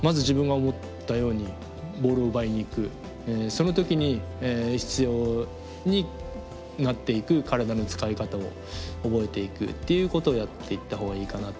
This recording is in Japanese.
その時に必要になっていく体の使い方を覚えていくっていうことをやっていったほうがいいかなと思います。